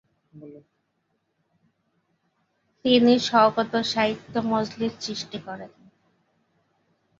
তিনি "সওগাত সাহিত্য মজলিশ" সৃষ্টি করেন।